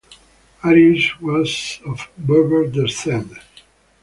Arius was of Berber descent.